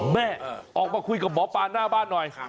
แม่ออกมาคุยกับหมอปลาหน้าบ้านหน่อย